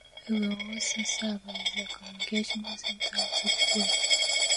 It will also serve as the communications center of the Gateway.